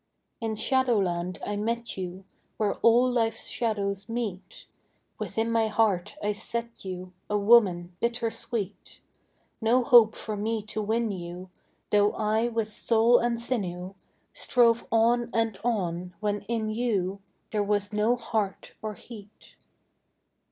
In Shadowland I met you Where all life's shadows meet; Within my heart I set you, A woman bitter sweet: No hope for me to win you, Though I with soul and sinew Strove on and on, when in you There was no heart or heat.